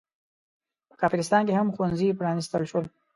په کافرستان کې هم ښوونځي پرانستل شول.